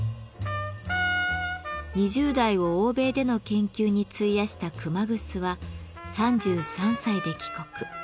２０代を欧米での研究に費やした熊楠は３３歳で帰国。